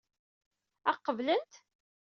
Ad ɣ-qeblent?